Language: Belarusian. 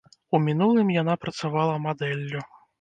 У мінулым яна працавала мадэллю.